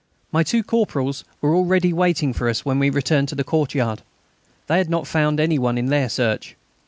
My two corporals were already waiting for us when we returned to the courtyard. They had not found any one in their search.